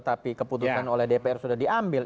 tapi keputusan oleh dpr sudah diambil